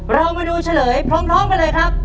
เรามาดูเฉลยพร้อมกันเลยครับ